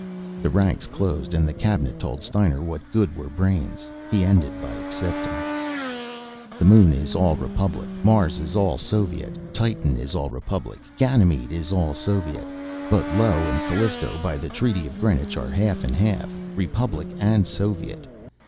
The ranks closed and the Cabinet told Steiner what good were brains. He ended by accepting. The Moon is all Republic. Mars is all Soviet. Titan is all Republic. Ganymede is all Soviet. But Io and Callisto, by the Treaty of Greenwich, are half and half Republic and Soviet.